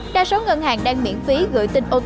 đa số ngân hàng đang miễn phí gửi tin ott